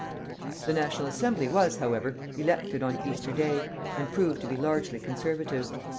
The National Assembly was, however, elected on Easter Day, and proved to be largely conservative.